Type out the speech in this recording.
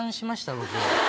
僕。